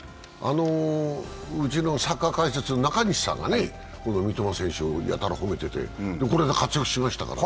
うちのサッカー解説の中西さんが三笘選手をやたら褒めてて、これで活躍しましたからね。